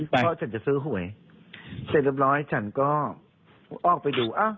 เพราะฉันจะซื้อหวยเสร็จเรียบร้อยฉันก็ออกไปดูอ้าว